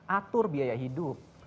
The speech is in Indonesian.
atur biaya hidup